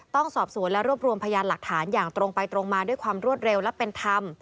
ต้องสอบสวนและรวบรวมพยานหลักฐานอย่างตรงไปตรงมาด้วยความรวดเร็วและเป็นธรรม